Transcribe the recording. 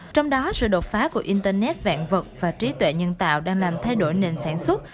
trong đó sự đột phá của internet vạn vật và trí tuệ nhân tạo đang làm thay đổi nền sản xuất